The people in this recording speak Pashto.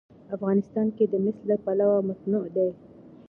افغانستان د مس له پلوه متنوع دی.